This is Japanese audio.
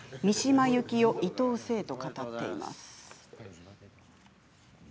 三島由紀夫、伊藤整と語っています。